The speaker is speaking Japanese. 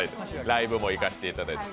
ライブも行かせていただいて。